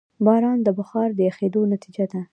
باران د بخار د یخېدو نتیجه ده.